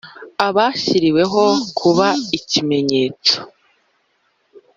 wabashyiriweho kuba ikimenyetso,